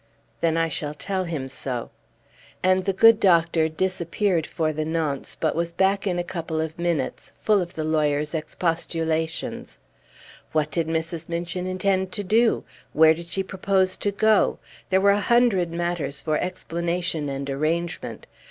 "Then I shall tell him so." And the good doctor disappeared for the nonce, but was back in a couple of minutes, full of the lawyer's expostulations. What did Mrs. Minchin intend to do? Where did she propose to go? There were a hundred matters for explanation and arrangement.